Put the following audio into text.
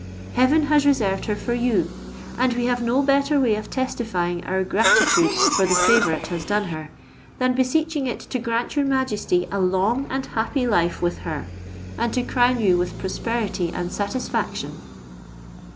Heaven has reserved her for you, and we have no better way of testifying our gratitude for the favour it has done her, than beseeching it to grant your majesty a long and happy life with her, and to crown you with prosperity and satisfaction.